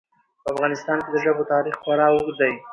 په افغانستان کې د ژبو تاریخ خورا اوږد دی.